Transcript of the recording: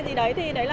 tao sợ mày á